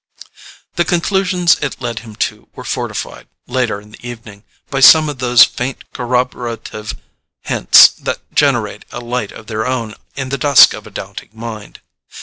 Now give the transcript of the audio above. The conclusions it led him to were fortified, later in the evening, by some of those faint corroborative hints that generate a light of their own in the dusk of a doubting mind.